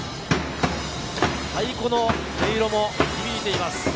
太鼓の音色も響いています。